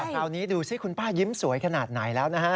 คราวนี้ดูสิคุณป้ายิ้มสวยขนาดไหนแล้วนะฮะ